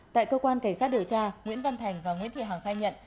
tại cơ quan cảnh sát điều tra nguyễn văn thành và nguyễn thị hằng khai nhận